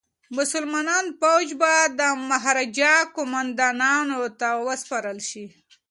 مسلمان فوج به د مهاراجا قوماندانانو ته وسپارل شي.